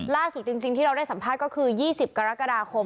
จริงที่เราได้สัมภาษณ์ก็คือ๒๐กรกฎาคม